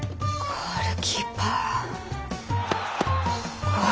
ゴールキーパー。